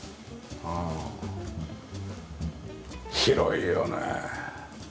広いよね。